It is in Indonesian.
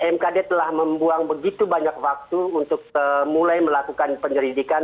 mkd telah membuang begitu banyak waktu untuk mulai melakukan penyelidikan